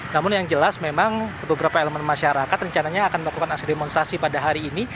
namun yang jelas memang beberapa elemen masyarakat rencananya akan melakukan aksi demonstrasi pada hari ini